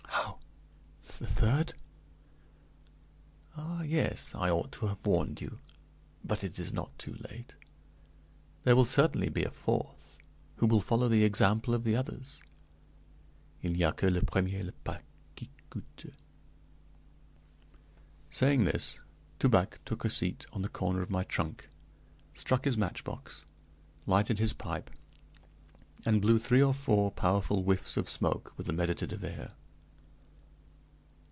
"How the third?" "Ah, yes! I ought to have warned you; but it is not too late. There will certainly be a fourth, who will follow the example of the others. Il n'y à que le premier pas qui coûte." Saying this, Toubac took a seat on the corner of my trunk, struck his match box, lighted his pipe, and blew three or four powerful whiffs of smoke with a meditative air.